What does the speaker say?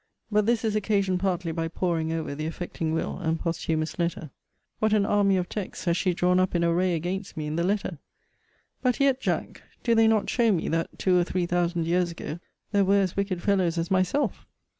But this is occasioned partly by poring over the affecting will, and posthumous letter. What an army of texts has she drawn up in array against me in the letter! But yet, Jack, do they not show me, that, two or three thousand years ago, there were as wicked fellows as myself?